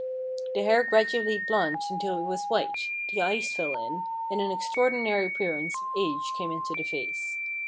The hair gradually blanched until it was white, the eyes fell in, and an extraordinary appearance of age came into the face.